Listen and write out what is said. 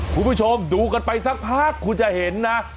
คุณผู้ชมดูกันไปสักพักคุณจะเห็นนะ